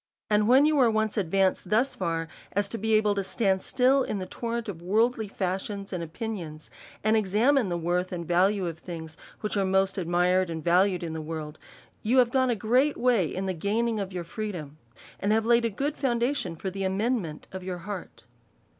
And when you are once advanced thus far, as to be able to stand still in the torrent of worldly fashions and opinions, and examine the worth and value of tilings which arc most admired and valued in the world, you have gone a great way in the gaining of your freedom, and have laid a good foundation for the amendment of your heart.